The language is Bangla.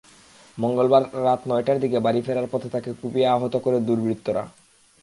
মঙ্গলবার রাত নয়টার দিকে বাড়ি ফেরার পথে তাঁকে কুপিয়ে আহত করে দুর্বৃত্তরা।